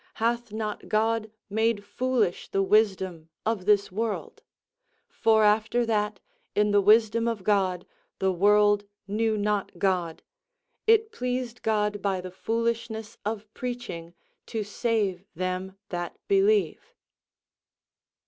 Hath not God made foolish the wisdom of this world? For after that, in the wisdom of God, the world knew not God, it pleased God by the foolishness of preaching to save them that believe."